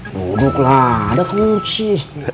duduklah ada kursi